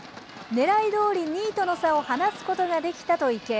ねらいどおり２位との差を離すことができたと池江。